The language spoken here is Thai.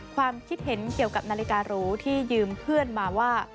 ความคิดเห็นเกี่ยวกับนาฬิการูที่ยืมเพื่อนมาว่า